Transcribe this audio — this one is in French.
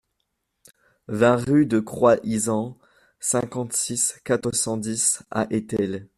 vingt rue de Croix Izan, cinquante-six, quatre cent dix à Étel